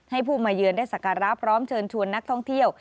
ให้ผู้มาเยือนได้สักการะพร้อมเชิญชวนนักท่องเที่ยว